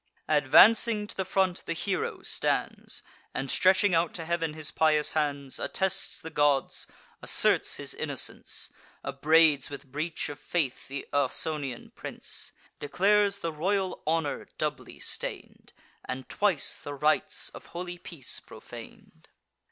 Advancing to the front, the hero stands, And, stretching out to heav'n his pious hands, Attests the gods, asserts his innocence, Upbraids with breach of faith th' Ausonian prince; Declares the royal honour doubly stain'd, And twice the rites of holy peace profan'd.